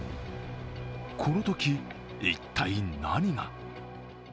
このとき一体、何が？